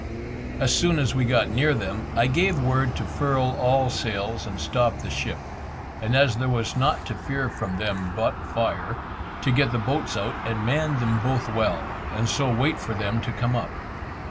As soon as we got near them, I gave word to furl all sails and stop the ship, and as there was nought to fear from them but fire, to get the boats out and man them both well, and so wait for them to come up.